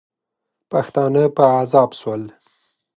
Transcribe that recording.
پښتانه په عذاب سول.